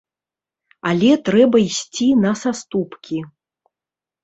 Але трэба ісці на саступкі.